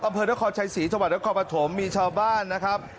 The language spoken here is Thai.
อำเภอนครชัยศรีจังหวัดนครปฐมมีชาวบ้านนะครับ